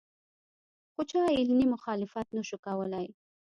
خو چا علني مخالفت نشو کولې